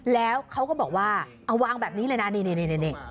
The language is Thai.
แล้วเขาก็บอกว่าเอาวางแบบนี้เลยนะนี่